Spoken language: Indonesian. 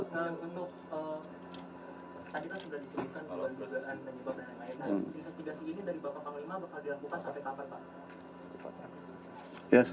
investigasi ini dari bapak panglima bakal dilakukan sampai kapal pak